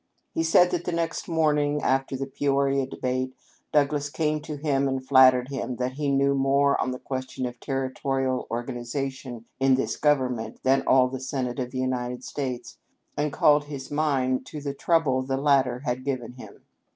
He said that the next morning after the Peoria debate Douglas came to him and flattered him that he knew more on the question of Territorial organization in this government than all the Senate of the ~ United States, and called his mind to the trouble the latter had given, him.